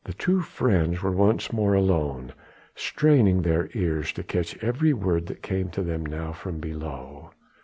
The two friends were once more alone, straining their ears to catch every sound which came to them now from below.